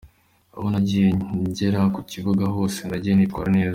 Aho nagiye ngera ku kibuga hose nagiye nitwara neza.